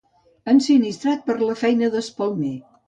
Ensinistrat per a la feina d'espelmer.